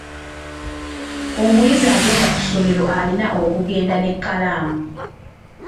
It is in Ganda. Omuyizi agenda ku ssomero alina okugenda n’ekkalaamu.